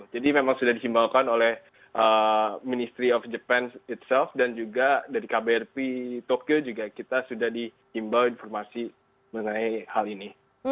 jadi memang sudah dihimbaukan oleh ministry of japan itself dan juga dari kbrp tokyo juga kita sudah dihimbau informasi mengenai hal ini